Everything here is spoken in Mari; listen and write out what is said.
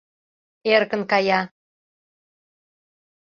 — Эркын кая.